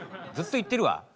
ずっと言ってるわ。